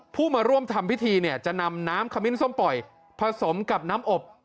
ผู้มาร่วมทำพิธีเนี่ยจะนำน้ำขมิ้นส้มปล่อยผสมกับน้ำอบ